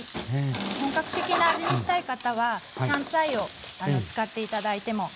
本格的な味にしたい方は香菜を使って頂いてもかまいません。